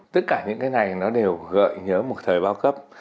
tất cả những cái này nó đều gợi nhớ một thời bao cấp